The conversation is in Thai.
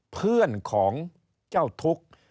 เพื่อนของเจ้าทุกข์